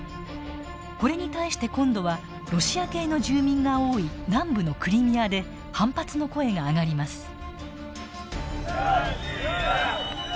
これに対して今度はロシア系の住民が多い南部のクリミアで反発の声が上がります。